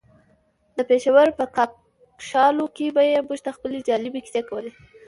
د پېښور په کاکشالو کې به يې موږ ته خپلې جالبې کيسې کولې.